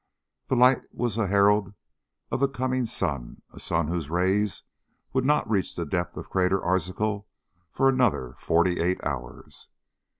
The light was a herald of the coming sun, a sun whose rays would not reach the depths of Crater Arzachel for another forty eight hours.